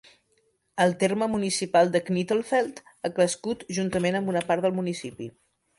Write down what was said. El terme municipal de Knittelfeld ha crescut juntament amb una part del municipi.